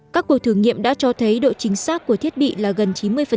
các cuộc thử nghiệm đã cho thấy độ chính xác của thiết bị là gần chín mươi